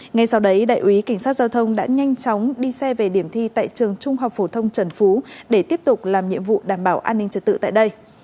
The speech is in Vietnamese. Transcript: ngay sau đấy đại úy cảnh sát giao thông đã nhanh chóng đi xe về điểm thi tại trường trung học phổ thông trần phú để tiếp tục làm nhiệm vụ đảm bảo an ninh trật tự tại đây